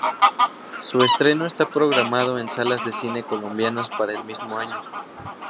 Su estreno está programado en salas de cine colombianas para el mismo año.